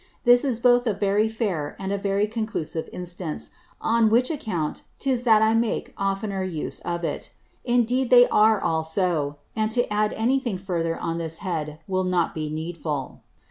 This is both a very fair, and a very conclusive Instance; on which Account 'tis that I make oftner use of it. Indeed they are all so; and to add any thing further on this Head, will not be needful.